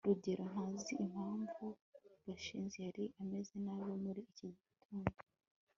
rugeyo ntazi impamvu gashinzi yari ameze nabi muri iki gitondo